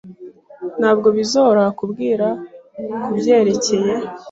Ntabwo bizoroha kubwira kubyerekeye.